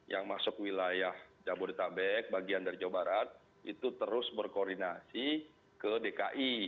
yang masuk wilayah jabodetabek bagian dari jawa barat itu terus berkoordinasi ke dki